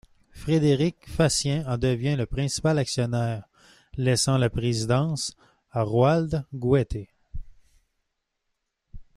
Frédéric Fatien en devient le principal actionnaire, laissant la présidence à Roald Goethe.